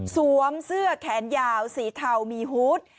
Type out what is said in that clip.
สวมเสื้อแขนยาวสีเทามีฮูต